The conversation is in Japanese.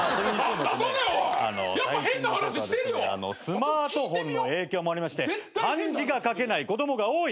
スマートフォンの影響もあり漢字が書けない子供が多い。